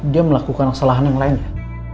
dia melakukan kesalahan yang lainnya